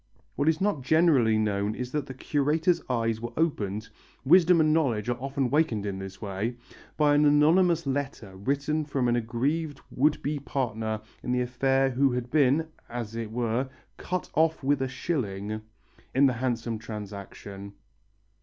What is not generally known is that the curator's eyes were opened wisdom and knowledge are often wakened in this way! by an anonymous letter written from an aggrieved would be partner in the affair who had been, as it were, "cut off with a shilling" in the handsome transaction.